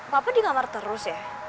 papa di kamar terus ya